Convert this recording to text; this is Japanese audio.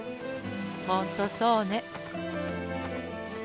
ほんとそうね。